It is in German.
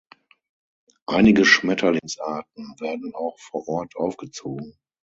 Einige Schmetterlingsarten werden auch vor Ort aufgezogen.